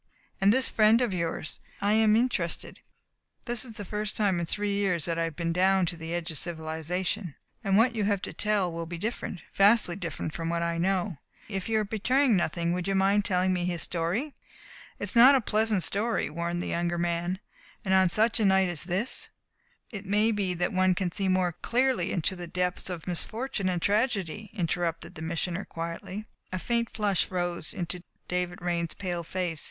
And this friend of yours? I am interested. This is the first time in three years that I have been down to the edge of civilization, and what you have to tell will be different vastly different from what I know. If you are betraying nothing would you mind telling me his story?" "It is not a pleasant story," warned the younger man, "and on such a night as this " "It may be that one can see more clearly into the depths of misfortune and tragedy," interrupted the Missioner quietly. A faint flush rose into David Raine's pale face.